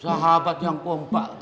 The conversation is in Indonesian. sahabat yang kompak